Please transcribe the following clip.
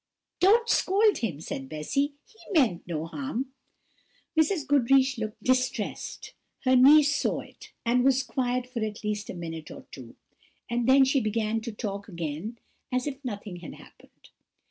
"Don't scold him," said Bessy; "he meant no harm." Mrs. Goodriche looked distressed; her niece saw it, and was quiet for at least a minute or two, and then she began to talk again as if nothing had happened.